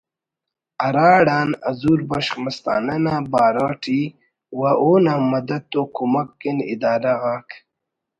ہراڑان حضور بخش مستانہ نا بارو اٹی و اونا مدت و کمک کن ادارہ غاک